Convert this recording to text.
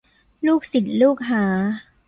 ลูกศิษย์ลูกหา